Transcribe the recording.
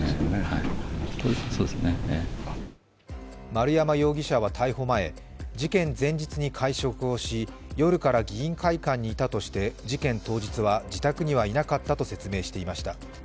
丸山容疑者は逮捕前、事件前日に会食をし夜から議員会館にいたとして事件当日は自宅にはいなかったと説明していました。